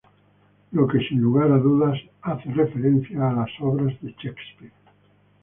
Lo que sin lugar a dudas hace referencia a las obras de Shakespeare.